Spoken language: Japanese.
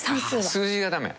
数字が駄目？